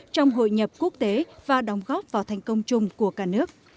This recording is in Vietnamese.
trong hội nhập quốc tế và đóng góp vào thành công chung của cả nước